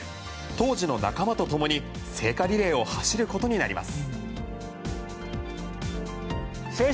当時の仲間と共に聖火リレーを走ることになります。